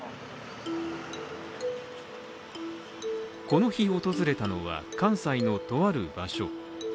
この日、訪れたのは関西のとある場所。